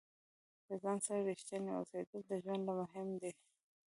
د ځان سره ریښتیني اوسیدل د ژوند لپاره مهم دي.